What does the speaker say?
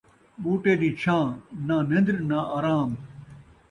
ٻوٹے دی چھاں نہ نن٘در نہ آرام